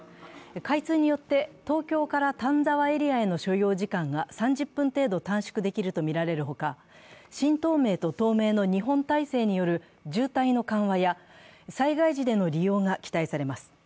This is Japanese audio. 開通によって東京から丹沢エリアへの所要時間が３０分程度短縮できるとみられるほか新東名と東名の２本体制による渋滞の緩和や災害時での利用が期待されます。